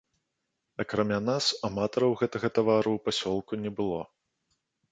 Акрамя нас аматараў гэтага тавару ў пасёлку не было.